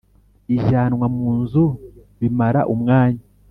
Ijyanwa mu nzu bimara umwanya,